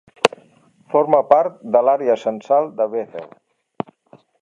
Forma part de l'àrea censal de Bethel.